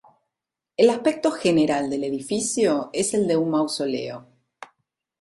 El aspecto general del edificio es el de un mausoleo.